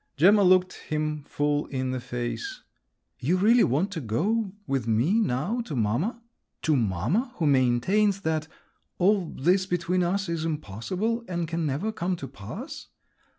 Gemma looked him full in the face. "You really want to go with me now to mamma? to mamma, who maintains that … all this between us is impossible—and can never come to pass?"